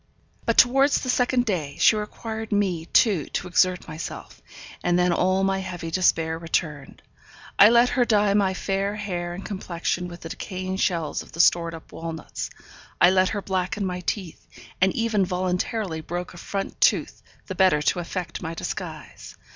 But towards the second day, she required me, too, to exert myself; and then all my heavy despair returned. I let her dye my fair hair and complexion with the decaying shells of the stored up walnuts, I let her blacken my teeth, and even voluntarily broke a front tooth the better to effect my disguise.